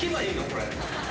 これ。